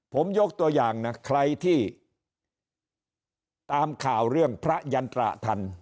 ผมยกตัวอย่างนะใครที่ตามข่าวเรื่องพระยันตราทัน